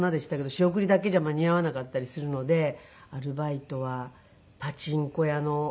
仕送りだけじゃ間に合わなかったりするのでアルバイトはパチンコ屋のサクラとか。